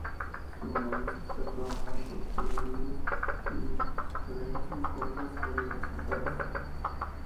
Su nariz está coronada por pliegues y sus orejas son cortas y horizontales.